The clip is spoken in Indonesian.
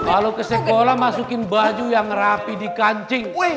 kalau ke sekolah masukin baju yang rapi di kancing